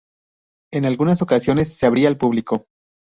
En algunas ocasiones se abría al público.